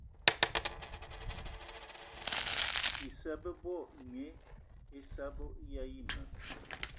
Issa bebo gne ane assa ayi ma.